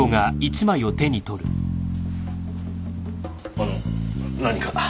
あの何か？